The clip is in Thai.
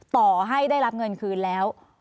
ต่อให้ได้รับเงินคืนแล้ว